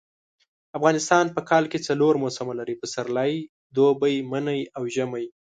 افغانستان په کال کي څلور موسمه لري . پسرلی دوبی منی او ژمی